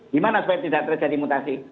gimana supaya tidak terjadi mutasi